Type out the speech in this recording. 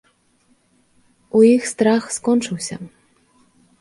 У іх страх скончыўся.